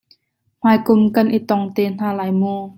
Hmaikum kan i tong te hna lai mu.